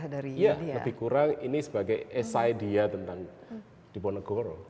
lebih kurang ini sebagai esai dia tentang diponegoro